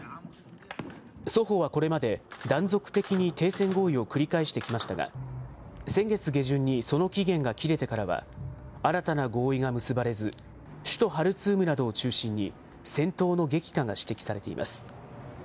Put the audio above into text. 双方はこれまで、断続的に停戦合意を繰り返してきましたが、先月下旬にその期限が切れてからは、新たな合意が結ばれず、首都ハルツームなどを中心に、戦闘の激化が指摘されています。